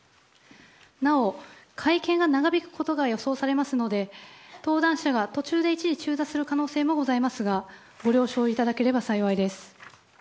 なお、会見が長引くことが予想されますので登壇者が途中で一時中座する可能性もありますがご了承いただければ幸いです。